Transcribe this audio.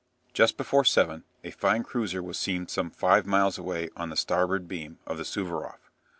Just before seven a fine cruiser was seen some five miles away on the starboard beam of the "Suvaroff."